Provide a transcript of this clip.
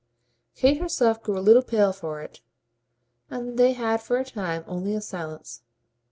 Kate herself grew a little pale for it, and they had for a time only a silence.